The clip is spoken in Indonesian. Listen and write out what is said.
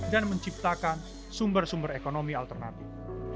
dan menciptakan sumber sumber ekonomi alternatif